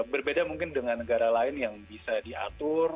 berbeda mungkin dengan negara lain yang bisa diatur